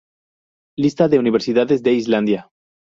Lista de universidades de Islandia